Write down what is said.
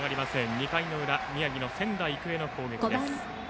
２回の裏、宮城の仙台育英の攻撃。